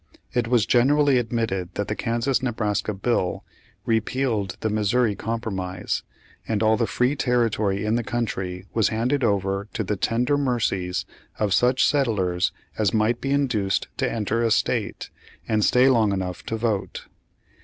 It was generally admitted that the Kansas Nebraska bill repealed the Missouri Compromise, and all the free terri tory in the country was handed over to the tender mercies of such settlers as might be induced to enter a state, and stay long enough to vote.